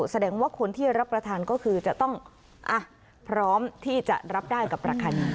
แสดงว่าคนที่รับประทานก็คือจะต้องพร้อมที่จะรับได้กับราคานี้